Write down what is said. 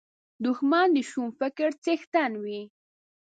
دښمن د شوم فکر څښتن وي